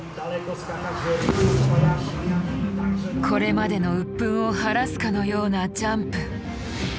これまでの鬱憤を晴らすかのようなジャンプ。